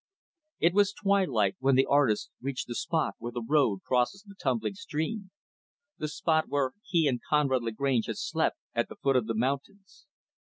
It was twilight when the artist reached the spot where the road crosses the tumbling stream the spot where he and Conrad Lagrange had slept at the foot of the mountains.